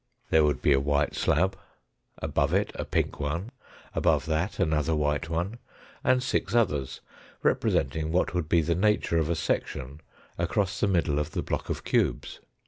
There would be a white slab, above it a pink one, above that another white one, and six others, representing what would be the nature of a section across the middle of the block of cubes.